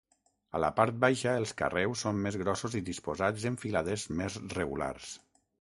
A la part baixa els carreus són més grossos i disposats en filades més regulars.